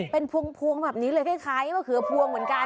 เป็นพวงแบบนี้เลยคล้ายมะเขือพวงเหมือนกัน